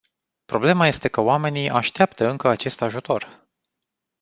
Problema este că oamenii așteaptă încă acest ajutor.